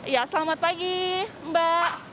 ya selamat pagi mbak